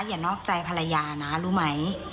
อย่านอกใจภรรยานะรู้ไหม